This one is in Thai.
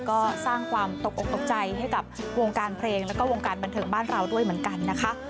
ก็สร้างความตกออกตกใจให้กับวงการเพลงแล้วก็วงการบันเทิงบ้านเราด้วยเหมือนกันนะคะ